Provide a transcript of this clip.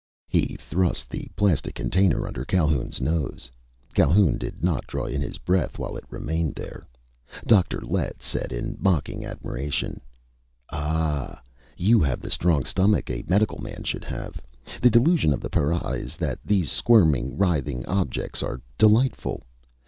He thrust the plastic container under Calhoun's nose. Calhoun did not draw in his breath while it remained there. Dr. Lett said in mocking admiration: "Ah! You have the strong stomach a medical man should have! The delusion of the para is that these squirming, writhing objects are delightful!